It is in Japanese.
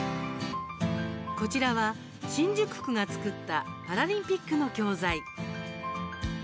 こちらは、新宿区が作ったパラリンピックの教材。